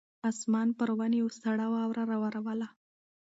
اسمان پر ونې سړه واوره راووروله.